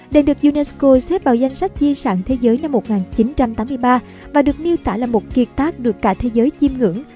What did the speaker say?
đền được unesco xếp vào danh sách di sản thế giới năm một nghìn chín trăm tám mươi ba và được miêu tả là một kiệt tác được cả thế giới chiêm ngưỡng